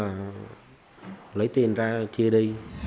xong rồi giáp bỏ chạy ra ngoài